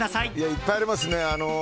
いっぱいありますね。